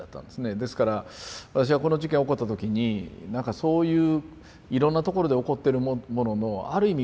ですから私はこの事件起こった時になんかそういういろんなところで起こってるもののある意味